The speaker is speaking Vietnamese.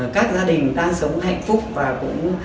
các gia đình đang sống hạnh phúc và cũng